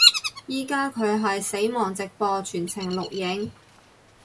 依家佢係死亡直播全程錄影